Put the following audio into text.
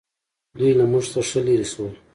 دوی له موږ څخه ښه لرې شول.